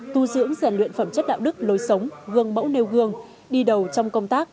tu dưỡng giải luyện phẩm chất đạo đức lối sống gương mẫu nêu gương đi đầu trong công tác